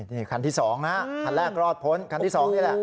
นี่คันที่๒นะคันแรกรอดพ้นคันที่๒นี่แหละ